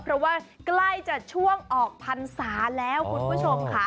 เพราะว่าใกล้จะช่วงออกพรรษาแล้วคุณผู้ชมค่ะ